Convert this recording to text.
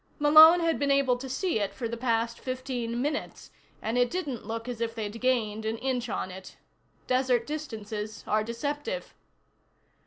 Malone had been able to see it for the past fifteen minutes, and it didn't look as if they'd gained an inch on it. Desert distances are deceptive.